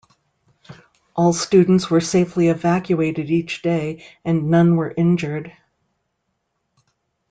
All students were safely evacuated each day and none were injured.